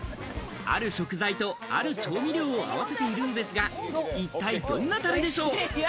ある食材とある調味料を合わせているんですが、一体どんなタレでしょう？